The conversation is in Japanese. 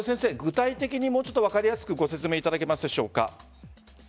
具体的にもちょっと分かりやすくご説明いただけますか。